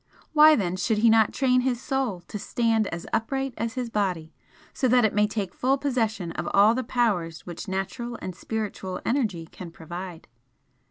Why then should he not train his Soul to stand as upright as his body, so that it may take full possession of all the powers which natural and spiritual energy can provide?